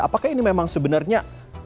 apakah ini memang sebenarnya